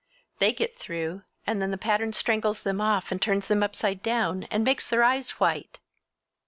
They get through, and then the pattern strangles them off and turns them upside down, and makes their eyes white!